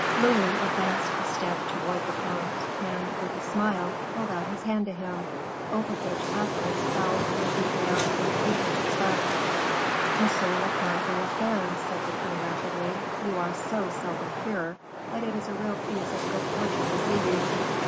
Louis advanced a step towards the comte, and, with a smile, held out his hand to him, over which Athos bowed with the air of the deepest respect. "Monsieur le Comte de la Fere," said the king rapidly, "you are so seldom here, that it is a real piece of good fortune to see you."